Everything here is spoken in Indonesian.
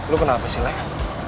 lo kenapa sih lex